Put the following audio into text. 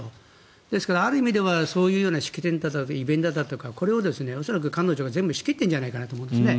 ですから、ある意味ではそういう式典だとかイベントだとかこれを恐らく彼女が全部仕切ってるんじゃないかと思いますね。